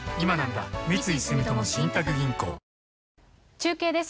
中継です。